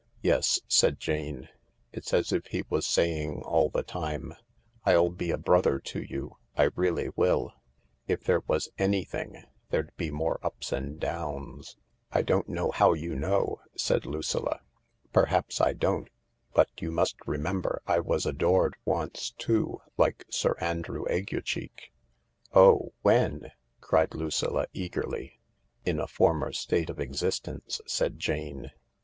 " Yes," said Jane. " It's as if he was saying all the time, ' I'll be a brother to you — I really will.' If there was any thing there'd be more ups and downs." " I don't know how you know," said Lucilla. " Perhaps I don't. But you must remember I was adored once too, like Sir Andrew Aguecheek," "Oh, when?" cried Lucilla eagerly. "In a former state of existence," said Jane.